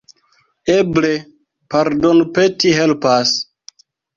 Eble pardonpeti helpas.